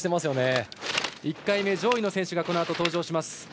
１回目、上位の選手がこのあと登場します。